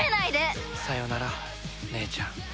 さよなら姉ちゃん。